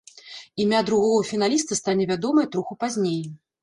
Імя другога фіналіста стане вядомае троху пазней.